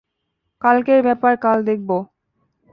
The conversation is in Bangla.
কালকের ব্যাপার কাল দেখব।